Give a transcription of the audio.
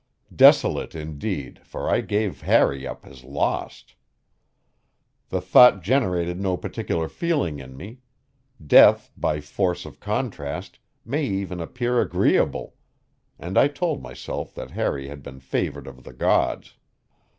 Desolate, indeed, for I gave Harry up as lost. The thought generated no particular feeling in me; death, by force of contrast, may even appear agreeable; and I told myself that Harry had been favored of the gods.